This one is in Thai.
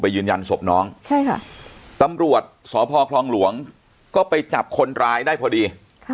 ยืนยันศพน้องใช่ค่ะตำรวจสพคลองหลวงก็ไปจับคนร้ายได้พอดี